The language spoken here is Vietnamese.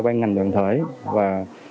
ban ngành đoàn thể và